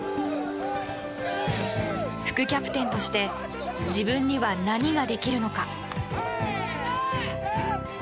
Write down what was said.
副キャプテンとして自分には何ができるのか。